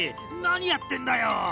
何やってんだよ！」。